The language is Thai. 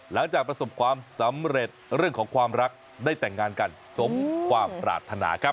หลังจากประสบความสำเร็จเรื่องของความรักได้แต่งงานกันสมความปรารถนาครับ